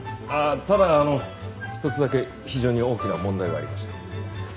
ただあの一つだけ非常に大きな問題がありまして。